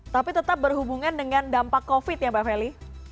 jadi itu yang terakhir ya mbak feli